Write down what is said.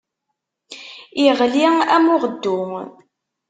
Iɣli, am uɣeddu.